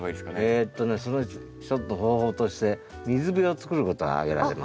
えとねその一つの方法として水辺を作ることが挙げられます。